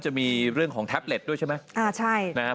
จะมีเรื่องของแทบเล็ตด้วยใช่ไหม